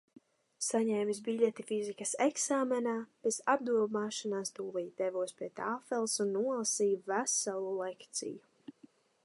Saņēmis biļeti fizikas eksāmenā, bez apdomāšanās, tūlīt devos pie tāfeles un nolasīju veselu lekciju.